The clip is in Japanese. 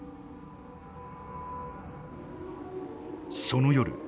その夜。